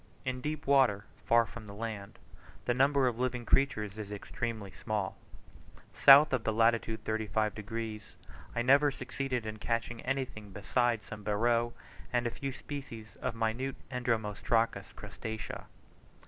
In deep water, far from the land, the number of living creatures is extremely small: south of the latitude 35 degs., I never succeeded in catching anything besides some beroe, and a few species of minute entomostracous crustacea.